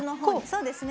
そうですね。